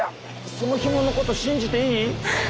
そのひものこと信じていい？